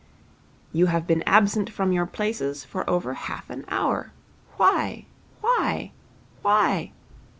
'You have been absent from your places for over half an hour. Why? Why? Why?